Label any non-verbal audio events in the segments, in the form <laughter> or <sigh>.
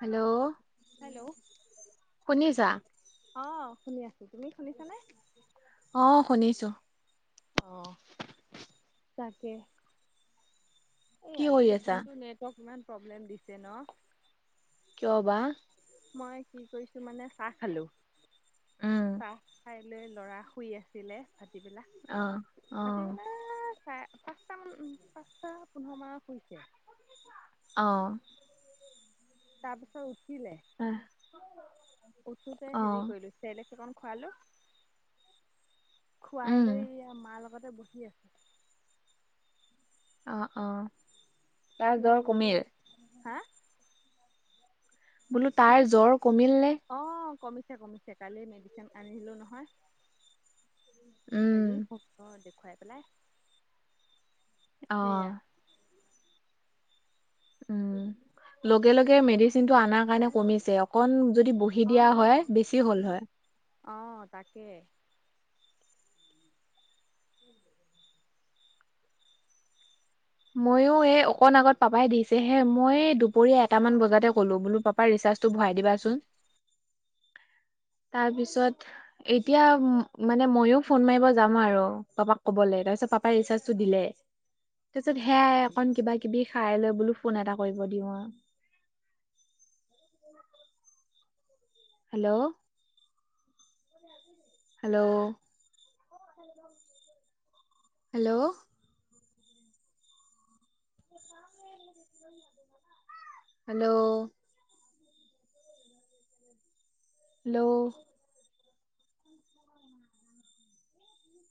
Hello hello শুনিছা? অঁ শুনি আছো, তুমি শুনিছানে? অঁ শুনিছোঁ। অঁ তাকে। এই কি কৰি আজি আছা? দিনটো নেটৱৰ্ক ইমান প্ৰব্লেম দিছে ন? কিয় বা? মই কি কৰিছো মানে চাহ খালো, উম। চাহ খাই লৈ লৰা শুই আছিলে, ভাতিবেলা অ', অ', ভাতিবেলা আ চাৰে - পাঁচটা মান উম পাঁচটা পোন্ধৰ মানত শুইছে। অ। তাৰ পিছত উঠিলে, উঠোতে হেৰি অ', কৰিলো চেৰেলেক্স অকণ খোৱালো, খুৱাই উম, লৈ এয়া মাৰ লগতে বহি আ অ অ। তাৰ জ্বৰ মই বোলো কমিল? হা! বোলো কি তাইৰ কৈছে জ্বৰ কমিলনে? অ কমিছে কমিছে, কালি মেডিচিন আনিলো নহয়। উম। হেৰি ডাক্তৰ দেখুৱাই পেলাই। অ। সেয়া উম, লগে লগে মেডিচিনটো আনা কাৰণে কমিছে অকন যদি বহি হি দিয়া হয়, অ', বেছি হ'ল হয়। অ তাকে। ময়ো এই অকন আগত পাপাই দিছে হে, মই দুপৰীয়া এটামান বজাতে অ', ক'লো বোলো পা পা ৰিচাৰ্জটো ভৰাই দিবাচোন তাৰপিছত এতিয়া মানে ময়ো ফোন মাৰিব যাম আৰু পাপাক ক'বলে তাৰপিছত পাপাই ৰিচাৰ্জটো দিলে। তাৰপিছত সেয়াই অকন কিবা - কিবি খাই লৈ বোলো ফোন এটা কৰিব দিওঁ আৰু। Hello! Hello! Hello! <unintelligible> Hello! Hello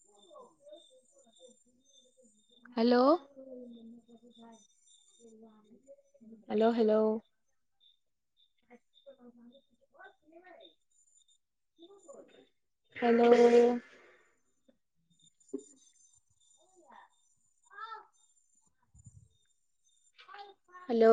অ hello hello! Hello! <unintelligible> Hello! Hello!